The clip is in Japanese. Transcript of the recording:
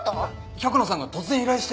百野さんが突然依頼して。